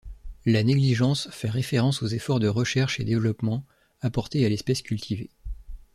La négligence fait référence aux efforts de recherche et développement apportés à l'espèce cultivée.